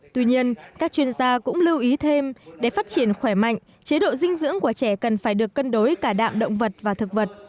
tuy nhiên các chuyên gia cũng lưu ý thêm để phát triển khỏe mạnh chế độ dinh dưỡng của trẻ cần phải được cân đối cả đạm động vật và thực vật